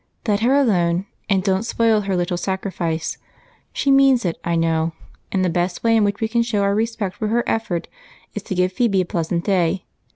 " Let her alone, and don't s2:>oil her little sacrifice. She means it, I know, and the best way in which we can show our respect for her effort is to give Phebe a pleasant day.